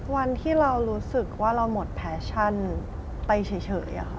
วันที่เรารู้สึกว่าเราหมดแฟชั่นไปเฉย